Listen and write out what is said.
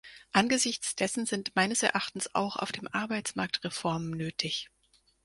Angesichts dessen sind meines Erachtens auch auf dem Arbeitsmarkt Reformen nötig.